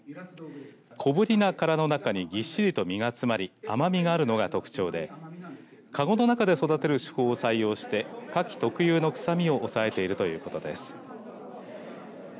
小ぶりな殻の中にびっしりと身がつまり甘みがあるのが特徴でかごの中で育てる手法を採用してかき特有の臭みを抑えているということです。